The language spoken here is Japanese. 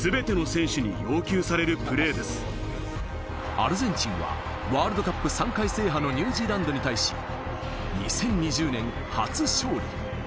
アルゼンチンは、ワールドカップ３回制覇のニュージーランドに対し、２０２０年、初勝利。